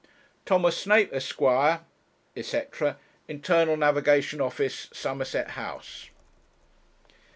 'Thomas Snape, Esq., &c., 'Internal Navigation Office, Somerset House.'